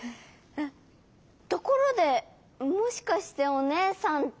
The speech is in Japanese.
ところでもしかしておねえさんって。